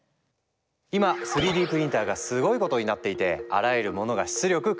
今３Ｄプリンターがすごいことになっていてあらゆるモノが出力可能！